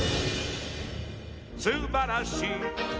すばらしい